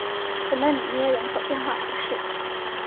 弗勒里涅人口变化图示